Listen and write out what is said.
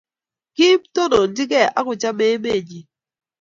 kim, tononchinigei ak kochomei emenyin